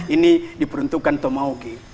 ini diperuntukkan tomaugi